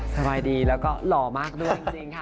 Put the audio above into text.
สบายดีแล้วก็หล่อมากด้วยจริงค่ะ